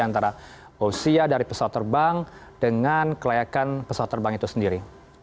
antara usia dari pesawat terbang dengan kelayakan pesawat terbang itu sendiri